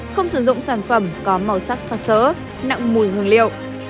không sử dụng sản phẩm có màu sắc sạc sỡ nặng mùi hương liệu